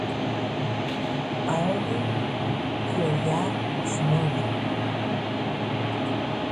Ironi Kiryat Shmona